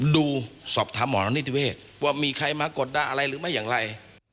สอบถามหมอนิติเวศว่ามีใครมากดดันอะไรหรือไม่อย่างไร